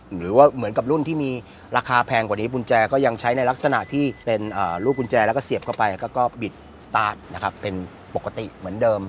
หรือว่าเหมือนกับรุ่นที่มีราคาแพงกว่านี้กุญแจก็ยังใช้ในลักษณะที่เป็นลูกกุญแจแล้วก็เสียบเข้าไปก็บิดสตาร์ทนะครับเป็นปกติเหมือนเดิม